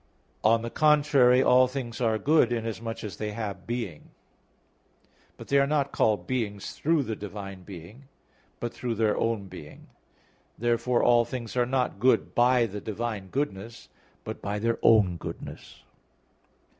On the contrary, All things are good, inasmuch as they have being. But they are not called beings through the divine being, but through their own being; therefore all things are not good by the divine goodness, but by their own goodness.